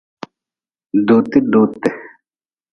Dotedote.